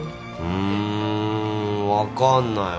うーんわかんない。